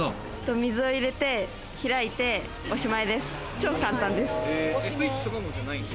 水を入れて開いて、おしまいです。